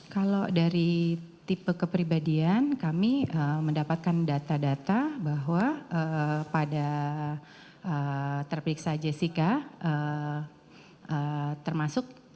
kalau dari tipe kepribadian kami mendapatkan data data bahwa pada terperiksa jessica termasuk